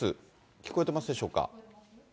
聞こえてますでしょうか。